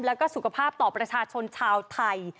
แล้วก็สุขภาพต่อประชาชนชาวไทย